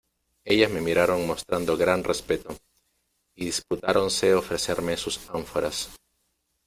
ellas me miraron mostrando gran respeto, y disputáronse ofrecerme sus ánforas ,